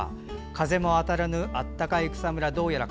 風も当たらない暖かい草むら。